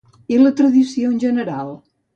I la tradició en general?